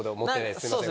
すみません。